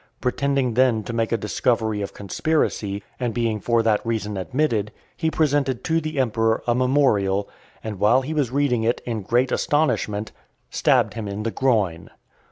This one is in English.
Pretending then to make a discovery of a conspiracy, and being for that reason admitted, he presented to the emperor a memorial, and while he was reading it in great astonishment, stabbed him in the groin.